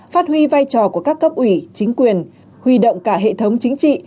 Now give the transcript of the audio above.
phát huy vai trò của các cấp ủy chính quyền huy động cả hệ thống chính trị